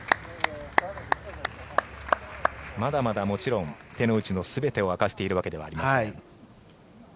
まだまだもちろん手の内の全てを明かしているわけではありません。